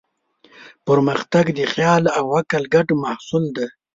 پرمختګ د خیال او عقل ګډ محصول دی.